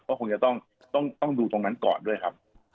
ก็คงจะต้องดูตรงนั้นก่อนด้วยครับ